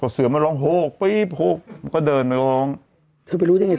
เสือมาร้องหกปี๊บหกก็เดินมาร้องเธอไปรู้ได้ไง